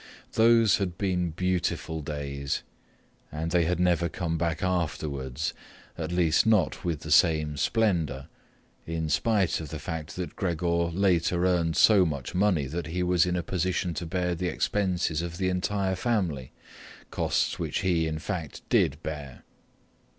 Those had been beautiful days, and they had never come back afterwards, at least not with the same splendour, in spite of the fact that Gregor later earned so much money that he was in a position to bear the expenses of the entire family, costs which he, in fact, did bear.